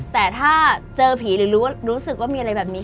แต่ถ้าเจอผีหรือรู้สึกว่ามีอะไรแบบนี้